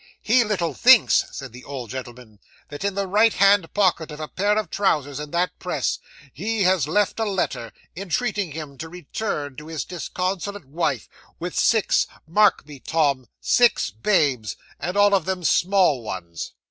'"He little thinks," said the old gentleman, "that in the right hand pocket of a pair of trousers in that press, he has left a letter, entreating him to return to his disconsolate wife, with six mark me, Tom six babes, and all of them small ones."